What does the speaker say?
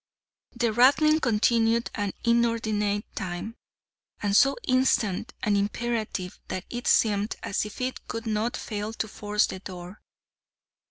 The rattling continued an inordinate time, and so instant and imperative, that it seemed as if it could not fail to force the door.